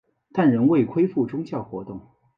但仍未恢复宗教活动。